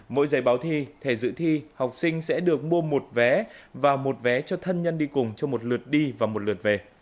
mỗi giấy báo thi thẻ dự thi học sinh sẽ được mua một vé và một vé cho thân nhân đi cùng cho một lượt đi và một lượt về